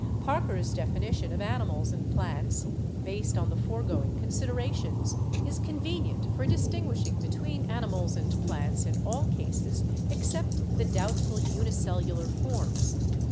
Parker's definition of animals and plants, based on the foregoing considerations, is convenient for distinguishing between animals and plants in all cases except the doubtful unicellar forms.